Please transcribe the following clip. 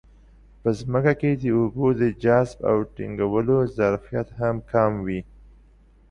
په ځمکه کې د اوبو د جذب او ټینګولو ظرفیت هم کم وي.